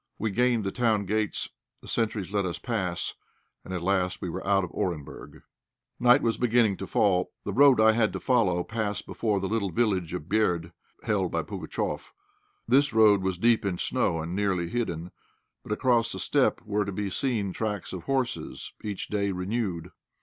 We gained the town gates; the sentries let us pass, and at last we were out of Orenburg. Night was beginning to fall. The road I had to follow passed before the little village of Berd, held by Pugatchéf. This road was deep in snow, and nearly hidden; but across the steppe were to be seen tracks of horses each day renewed.